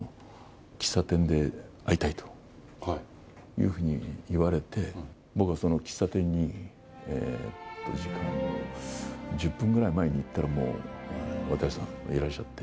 渡さんが記者会見をやる前に、近くの喫茶店で会いたいというふうに言われて、僕はその喫茶店に時間の１０分ぐらい前に行ったら、もう、渡さんがいらっしゃって。